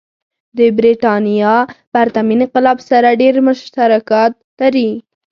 د برېټانیا پرتمین انقلاب سره ډېر مشترکات لري.